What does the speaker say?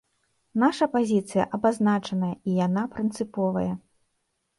Наша пазіцыя абазначаная, і яна прынцыповая.